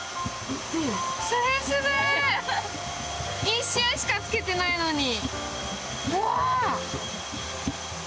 一瞬しかつけてないのに。